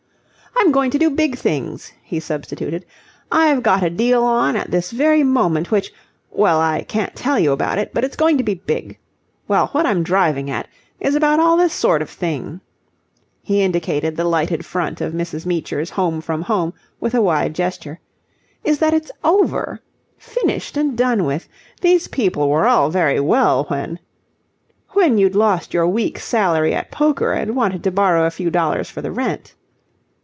"I'm going to do big things," he substituted. "I've got a deal on at this very moment which... well, I can't tell you about it, but it's going to be big. Well, what I'm driving at, is about all this sort of thing" he indicated the lighted front of Mrs. Meecher's home from home with a wide gesture "is that it's over. Finished and done with. These people were all very well when..." "... when you'd lost your week's salary at poker and wanted to borrow a few dollars for the rent."